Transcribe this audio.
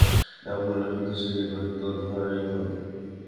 না, ভুল নয় সতীশ, এবার তোর ভাই হবে।